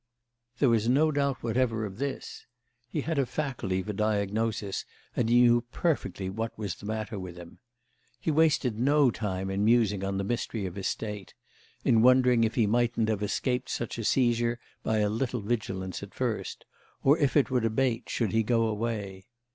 There was no doubt whatever of this; he had a faculty for diagnosis and he knew perfectly what was the matter with him. He wasted no time in musing on the mystery of his state; in wondering if he mightn't have escaped such a seizure by a little vigilance at first, or if it would abate should he go away.